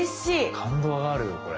感動があるよこれ。